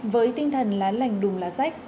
với tinh thần lá lành đùm lá sách